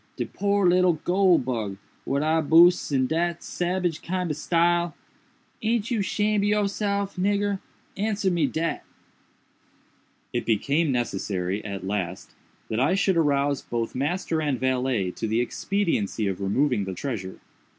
de poor little goole bug, what I boosed in dat sabage kind ob style! Aint you shamed ob yourself, nigger?—answer me dat!" It became necessary, at last, that I should arouse both master and valet to the expediency of removing the treasure.